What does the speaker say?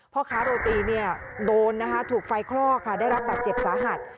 พอคารถุยโดรตีโดนถูกไฟคลอกได้รับบัตรเจ็บสาหัส